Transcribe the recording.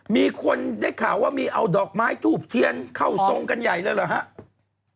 มีคนได้ข่าวว่ามีเอาดอกไม้ทูบเทียนเข้าทรงกันใหญ่เลยเหรอครับ